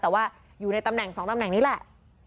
แต่ว่าอยู่ในตำแหน่ง๒ตำแหน่งนี้แหละ